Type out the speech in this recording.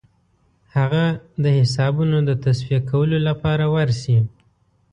هغه د حسابونو د تصفیه کولو لپاره ورسي.